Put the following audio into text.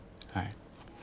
はい。